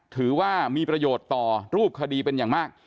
ถือว่ามีประโยชน์ต่อรูปคดีเป็นอย่างมาก